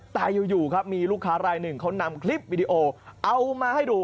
แต่อยู่ครับมีลูกค้ารายหนึ่งเขานำคลิปวิดีโอเอามาให้ดู